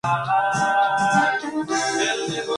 Fue una fusión entre las parroquias St.